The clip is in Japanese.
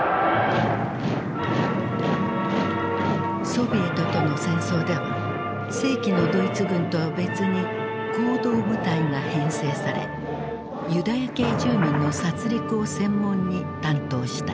ソビエトとの戦争では正規のドイツ軍とは別に「行動部隊」が編成されユダヤ系住民の殺りくを専門に担当した。